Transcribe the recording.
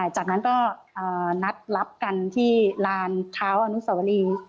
จากนั้นก็นัดรับกันที่ลานเท้าอนุสวรี